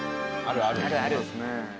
あるある。